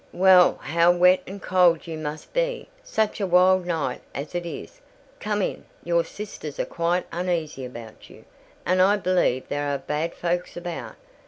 "Well, how wet and cold you must be, such a wild night as it is! Come in—your sisters are quite uneasy about you, and I believe there are bad folks about.